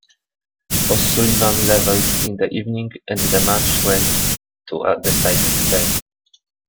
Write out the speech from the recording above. O'Sullivan levelled in the evening, and the match went to a deciding frame.